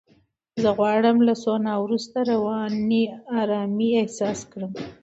زه غواړم له سونا وروسته رواني آرامۍ احساس کړم.